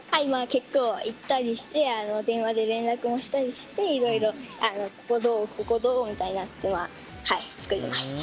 結構、行ったりして電話で連絡もしたりしていろいろここ、どう？みたいな感じで作りました。